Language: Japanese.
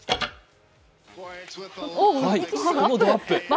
この、どアップ